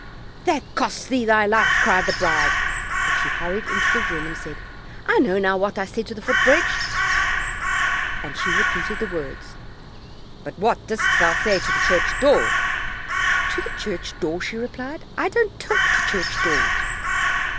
"That costs thee thy life!" cried the bride, but she hurried into the room, and said, "I know now what I said to the foot bridge," and she repeated the words. "But what didst thou say to the church door?" "To the church door?" she replied; "I don't talk to church doors."